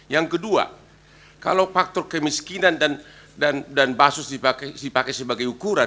yang kedua kalau faktor kemiskinan dan basus dipakai sebagai ukuran